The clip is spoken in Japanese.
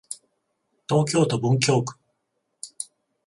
東京都文京区